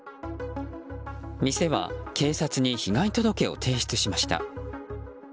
店は警察に被害届を提出しました。